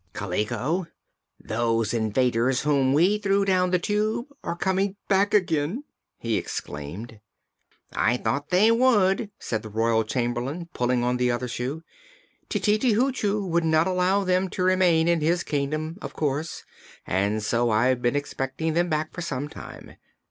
"Kaliko, those invaders whom we threw down the Tube are coming back again!" he exclaimed. "I thought they would," said the Royal Chamberlain, pulling on the other shoe. "Tititi Hoochoo would not allow them to remain in his kingdom, of course, and so I've been expecting them back for some time.